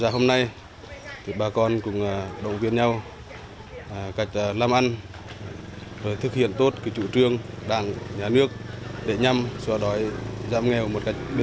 hôm nay bà con cùng đồng viên nhau làm ăn thực hiện tốt chủ trương đảng nhà nước để nhằm xóa đói giảm nghèo